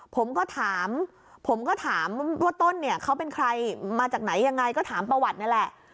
ผมก็ถามผมก็ถามว่าต้นเนี่ยเขาเป็นใครมาจากไหนยังไงก็ถามประวัตินี่แหละ